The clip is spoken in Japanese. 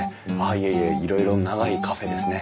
いえいえいろいろ長いカフェですね。